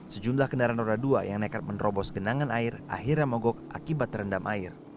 sejumlah kendaraan roda dua yang nekat menerobos genangan air akhirnya mogok akibat terendam air